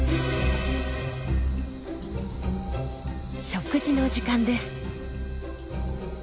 食事の時間です。